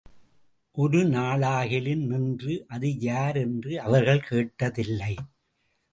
ஒரு நாளாகிலும் நின்று, அது யார் என்று அவர்கள் கேட்டதில்லை.